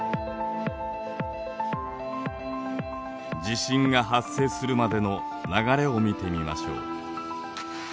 地震が発生するまでの流れを見てみましょう。